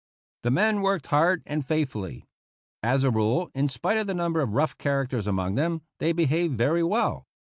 The men worked hard and faithfully. As a rule, in spite of the number of rough characters among them, they behaved very well.